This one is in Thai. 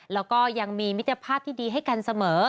แล้วก็ยังมีมิตรภาพที่ดีให้กันเสมอ